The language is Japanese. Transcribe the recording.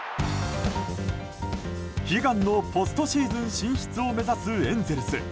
悲願のポストシーズン進出を目指すエンゼルス。